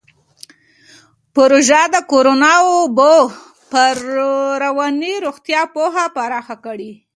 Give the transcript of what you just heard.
پروژه د کورونا وبا پر رواني روغتیا پوهه پراخه کړې.